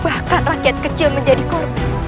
bahkan rakyat kecil menjadi korban